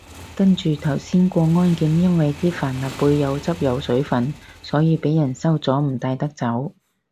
跟住頭先過安檢，因為啲帆立貝有汁有水份，所以被人收咗唔帶得走